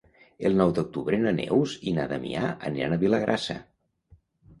El nou d'octubre na Neus i na Damià aniran a Vilagrassa.